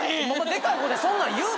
でかい声でそんなん言うな。